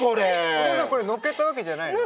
お父さんこれのっけたわけじゃないの？